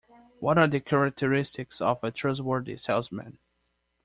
What are the characteristics of a trustworthy salesman?